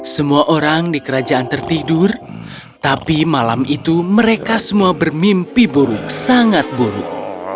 semua orang di kerajaan tertidur tapi malam itu mereka semua bermimpi buruk sangat buruk